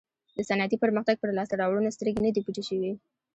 د صنعتي پرمختګ پر لاسته راوړنو سترګې نه دي پټې شوې.